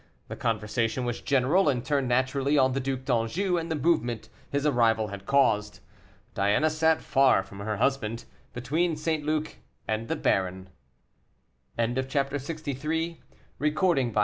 The conversation was general, and turned naturally on the Duc d'Anjou, and the movement his arrival had caused. Diana sat far from her husband, between St. Luc and the baron. CHAPTER LXIV. THE PROJECT OF M. DE ST.